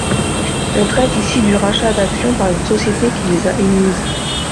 On traite ici du rachat d’actions par une société qui les a émises.